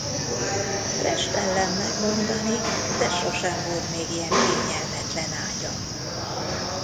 Restellem megmondani, de sosem volt még ilyen kényelmetlen ágyam!